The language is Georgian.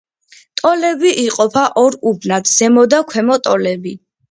ტოლები იყოფა ორ უბნად: ზემო და ქვემო ტოლები.